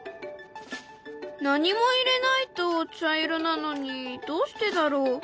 何も入れないと茶色なのにどうしてだろう？